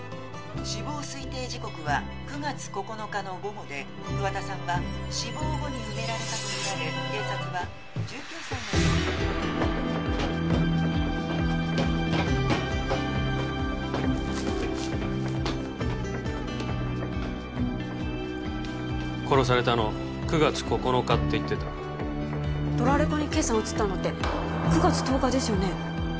死亡推定時刻は９月９日の午後で桑田さんは死亡後に埋められたとみられ警察は１９歳の殺されたの「９月９日」って言ってたドラレコにＫさん写ったのって９月１０日ですよね！？